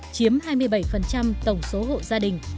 chiếm hai mươi bảy tổng số hộ gia đình